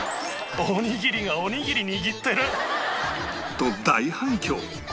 と大反響